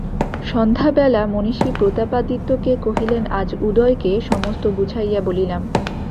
সন্ধ্যাবেলা মহিষী প্রতাপাদিত্যকে কহিলেন আজ উদয়কে সমস্ত বুঝাইয়া বলিলাম।